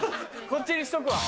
こっちにしとくわ。